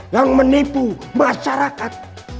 yang menipu masyarakat